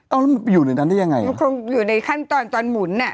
เอาแล้วมันไปอยู่ในนั้นได้ยังไงมันคงอยู่ในขั้นตอนตอนหมุนอ่ะ